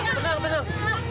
tenang tenang tenang tenang